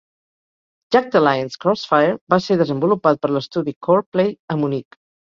"Jagged Alliance: Crossfire" va ser desenvolupat per l'estudi Coreplay a Munic.